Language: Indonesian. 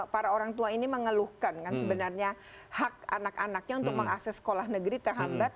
para orang tua ini mengeluhkan kan sebenarnya hak anak anaknya untuk mengakses sekolah negeri terhambat